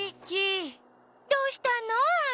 どうしたの？アオ。